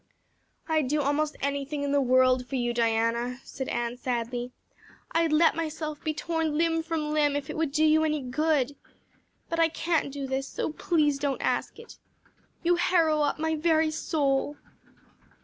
"I'd do almost anything in the world for you, Diana," said Anne sadly. "I'd let myself be torn limb from limb if it would do you any good. But I can't do this, so please don't ask it. You harrow up my very soul."